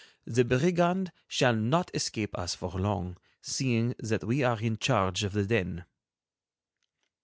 The brigand shall not escape us for long, seeing that we are in charge of the den."